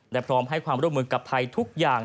และพร้อมให้ความร่วมมือกับไทยทุกอย่าง